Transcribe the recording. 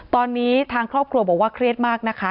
ตอนนี้ทางครอบครัวบอกว่าเครียดมากนะคะ